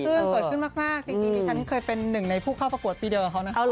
ซึ่งสวยขึ้นมากจริงดิฉันเคยเป็นหนึ่งในผู้เข้าประกวดปีเดอร์เขานะคะ